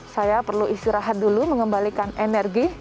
saya perlu istirahat dulu mengembalikan energi